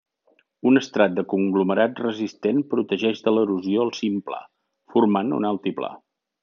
Un estrat de conglomerats resistent protegeix de l'erosió el cim pla, formant un altiplà.